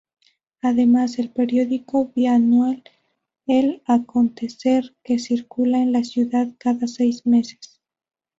Además, el periódico bianual "El Acontecer" que circula en la ciudad cada seis meses.